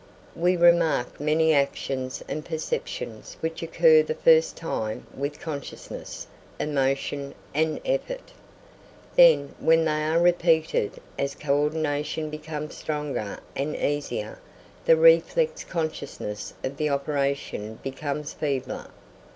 We remark many actions and perceptions which occur the first time with consciousness, emotion, and effort. Then, when they are repeated, as coordination becomes stronger and easier, the reflex consciousness of the operation becomes feebler.